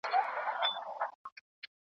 د سپوږمۍ کلي ته نه ورځي وګړي .